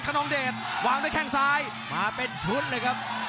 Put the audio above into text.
นองเดชวางด้วยแข้งซ้ายมาเป็นชุดเลยครับ